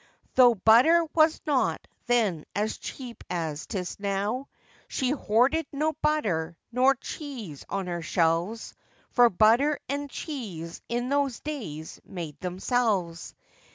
Though butter was not then as cheap as 'tis now, She hoarded no butter nor cheese on her shelves, For butter and cheese in those days made themselves.